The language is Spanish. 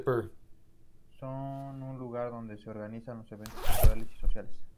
Son un lugar donde se organizan los eventos culturales y sociales.